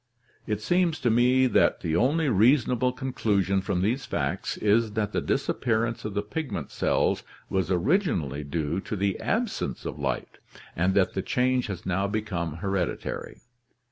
It seems to me that the only reasonable conclusion from these facts is that the disappearance of the pigment cells was originally due to the absence of light, and that the change has now become hereditary.